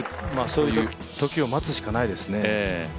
そういうときを待つしかないですね。